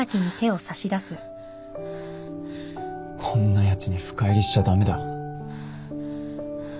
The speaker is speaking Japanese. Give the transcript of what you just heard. こんなやつに深入りしちゃ駄目だ